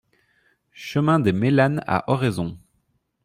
Chemin des Mélanes à Oraison